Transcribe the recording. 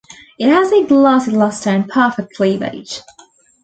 It has a glassy luster and perfect cleavage.